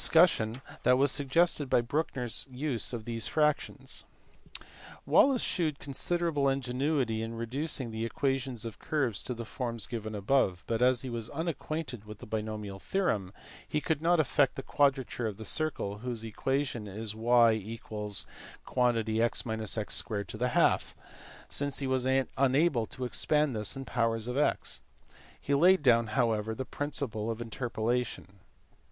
291 cussion that was suggested by Brouncker s use of these fractions (see below, p. 314). Wallis shewed considerable ingenuity in reducing the equa tions of curves to the forms given above, but, as he was unacquainted with the binomial theorem, he could not effect the quadrature of the circle, whose equation is y = (x x*)^> since he was unable to expand this in powers of x. He laid down however the principle of interpolation.